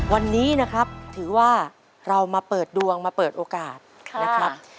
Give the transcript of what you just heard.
วันนี้นะครับถือว่าเรามาเปิดดวงมาเปิดโอกาสนะครับ